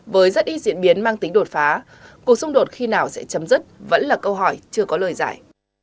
với rất ít diễn biến mang tính đột phá cuộc xung đột khi nào sẽ chấm dứt vẫn là câu hỏi chưa có lời giải